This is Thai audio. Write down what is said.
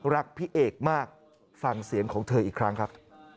รักพี่เอกมากฟังเสียงของเธออีกครั้งครับ